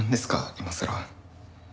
今さら。